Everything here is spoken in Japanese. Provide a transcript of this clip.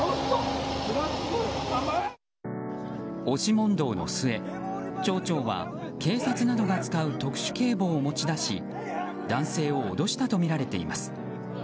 押し問答の末町長は警察などが使う特殊警棒を持ち出し男性を脅したとみられています。